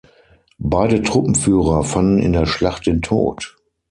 Beide Truppenführer fanden in der Schlacht den Tod.